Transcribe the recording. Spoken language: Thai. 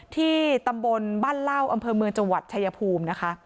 ที่ตำบลบ้านเล่าอำเภอเมืองจังหวัดชายภูมินะคะ